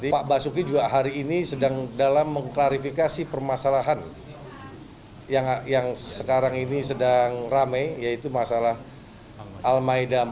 pak basuki juga hari ini sedang dalam mengklarifikasi permasalahan yang sekarang ini sedang rame yaitu masalah al maida empat